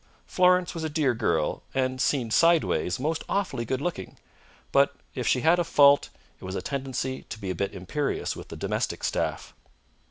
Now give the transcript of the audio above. Florence was a dear girl, and, seen sideways, most awfully good looking; but if she had a fault it was a tendency to be a bit imperious with the domestic staff.